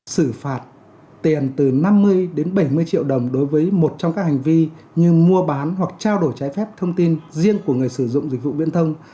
xử phạt tiền từ năm mươi đến bảy mươi triệu đồng đối với một trong các hành vi như mua bán hoặc trao đổi trái phép thông tin riêng của người sử dụng dịch vụ viễn thông